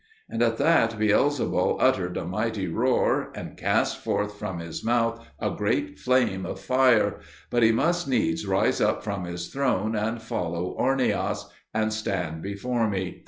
And at that Beelzebul uttered a mighty roar, and cast forth from his mouth a great flame of fire; but he must needs rise up from his throne and follow Ornias, and stand before me.